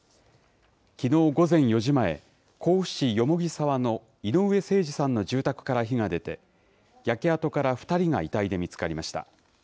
きのう午前４時前、甲府市蓬沢の井上盛司さんの住宅から火が出て、焼け跡から２人が遺体で見つかりました。